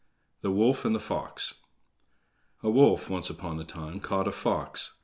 The Wolf and the Fox A wolf, once upon a time, caught a fox.